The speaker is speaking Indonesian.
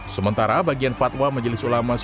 sementara bagian fatwa majelis ulamak